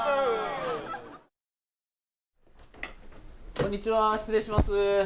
こんにちは、失礼します。